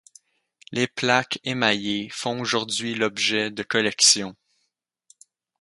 Les plaques émaillées font aujourd'hui l'objet de collections.